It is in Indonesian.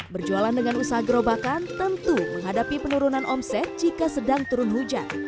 berjualan dengan usaha gerobakan tentu menghadapi penurunan omset jika sedang turun hujan